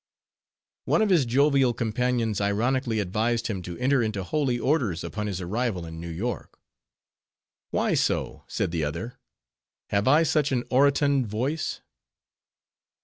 One of his jovial companions ironically advised him to enter into holy orders upon his arrival in New York. "Why so?" said the other, "have I such an orotund voice?"